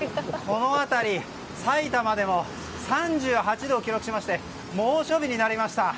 この辺り埼玉でも３８度を記録しまして猛暑日になりました。